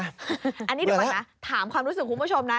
อันนี้เดี๋ยวก่อนนะถามความรู้สึกคุณผู้ชมนะ